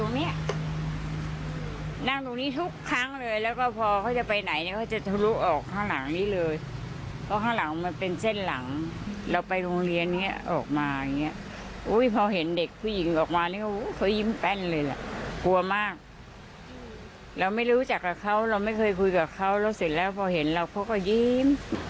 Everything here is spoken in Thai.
เมื่อกี๊กับเขาแล้วเสร็จแล้วพอเห็นเราเขาก็ยิ้ม